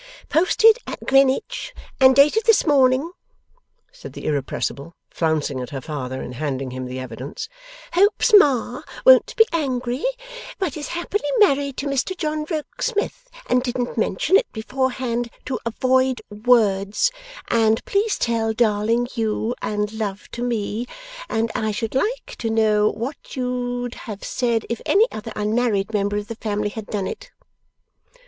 'Posted at Greenwich, and dated this morning,' said the Irrepressible, flouncing at her father in handing him the evidence. 'Hopes Ma won't be angry, but is happily married to Mr John Rokesmith, and didn't mention it beforehand to avoid words, and please tell darling you, and love to me, and I should like to know what you'd have said if any other unmarried member of the family had done it!